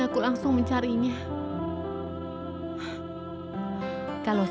aku yatim piatu